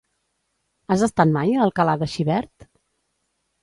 Has estat mai a Alcalà de Xivert?